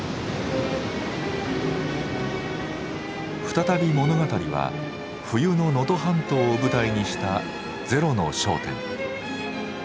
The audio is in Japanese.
再び物語は冬の能登半島を舞台にした「ゼロの焦点」。